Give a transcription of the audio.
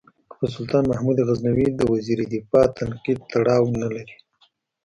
که په سلطان محمود غزنوي د وزیر دفاع تنقید تړاو نه لري.